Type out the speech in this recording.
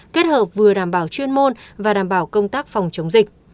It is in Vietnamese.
kết hợp vừa đảm bảo chuyên môn và đảm bảo công tác phòng chống dịch